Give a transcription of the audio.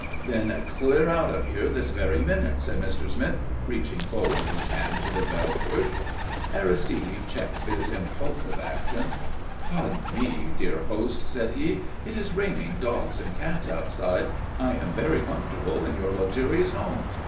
_" "Then clear out of here this very minute," said Mr. Smith, reaching forward his hand to the bell push. Aristide checked his impulsive action. "Pardon me, dear host," said he. "It is raining dogs and cats outside. I am very comfortable in your luxurious home.